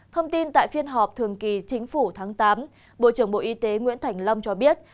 thông tin tại phiên họp thường kỳ chính phủ tháng tám bộ trưởng bộ y tế nguyễn thành long cho biết